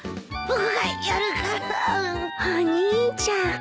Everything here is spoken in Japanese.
お兄ちゃん。